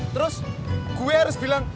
terus gue harus bilang